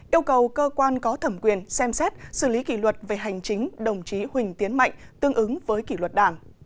yêu cầu cơ quan có thẩm quyền xem xét xử lý kỷ luật về hành chính đồng chí huỳnh tiến mạnh tương ứng với kỷ luật đảng